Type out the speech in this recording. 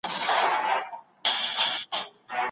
نوي کارونه ژوند په زړه پوري کوي.